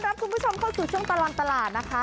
รับคุณผู้ชมเข้าสู่ช่วงตลอดตลาดนะคะ